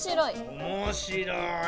「おもしろい」。